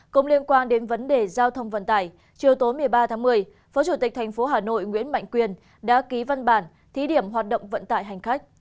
cũng liên quan đến vấn đề giao thông vận tải chiều tối một mươi ba tháng một mươi phó chủ tịch thành phố hà nội nguyễn mạnh quyền đã ký văn bản thí điểm hoạt động vận tải hành khách